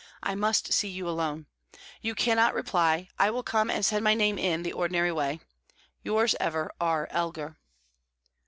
I must see you alone. You cannot reply; I will come and send my name in the ordinary way. "Yours ever, "R. ELGAR."